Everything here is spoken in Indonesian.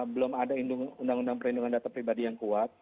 belum ada undang undang perlindungan data pribadi yang kuat